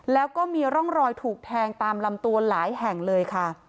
แล้วก็มีร่องรอยถูกแทงตามลำตัวหลายแห่งเลยค่ะ